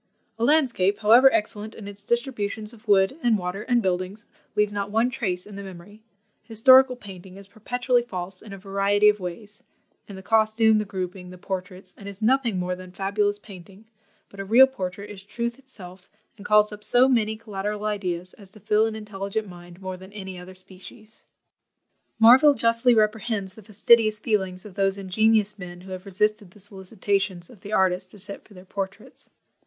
"A landscape, however excellent in its distributions of wood, and water, and buildings, leaves not one trace in the memory; historical painting is perpetually false in a variety of ways, in the costume, the grouping, the portraits, and is nothing more than fabulous painting; but a real portrait is truth itself, and calls up so many collateral ideas as to fill an intelligent mind more than any other species." Marville justly reprehends the fastidious feelings of those ingenious men who have resisted the solicitations of the artist, to sit for their portraits.